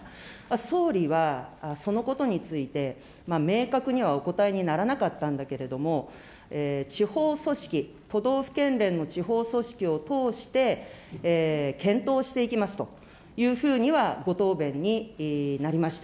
総理はそのことについて、明確にはお答えにならなかったんだけれども、地方組織、都道府県連の地方組織を通して検討していきますというふうにはご答弁になりました。